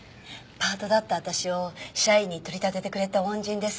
パートだった私を社員に取り立ててくれた恩人です。